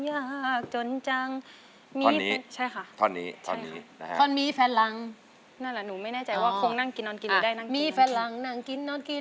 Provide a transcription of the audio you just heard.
ตัวช่วยในเพลงที่๓ของน้ำกิงก็คือ